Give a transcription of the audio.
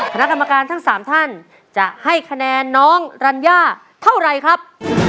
คณะกรรมการทั้ง๓ท่านจะให้คะแนนน้องรัญญาเท่าไรครับ